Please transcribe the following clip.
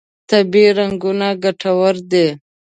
طبیعي رنګونه ګټور دي.